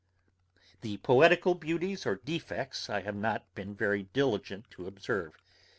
The poetical beauties or defects I have not been very diligent to observe.